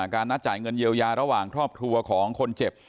นัดจ่ายเงินเยียวยาระหว่างครอบครัวของคนเจ็บ